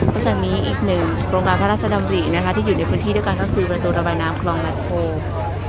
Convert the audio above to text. หลังจากนี้อีกหนึ่งโครงการพระราชดำรินะคะที่อยู่ในพื้นที่ด้วยกันก็คือประตูระบายน้ำคลองรัฐโคก